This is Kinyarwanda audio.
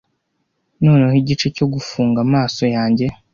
noneho igice cyo gufunga amaso yanjye